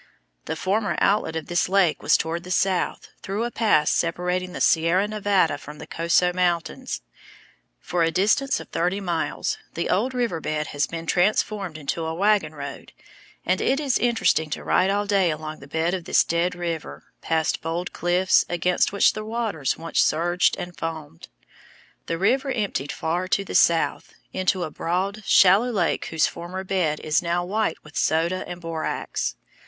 The former outlet of this lake was toward the south, through a pass separating the Sierra Nevada from the Coso Mountains. For a distance of thirty miles the old river bed has been transformed into a wagon road, and it is interesting to ride all day along the bed of this dead river, past bold cliffs against which the waters once surged and foamed. The river emptied far to the south, into a broad, shallow lake whose former bed is now white with soda and borax.